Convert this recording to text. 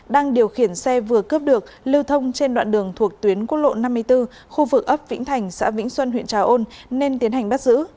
đang điều khiển xe vừa cướp được lưu thông trên đoạn đường thuộc tuyến quốc lộ năm mươi bốn khu vực ấp vĩnh thành xã vĩnh xuân huyện trà ôn nên tiến hành bắt giữ